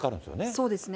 そうですね。